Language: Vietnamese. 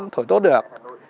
thổi tốt được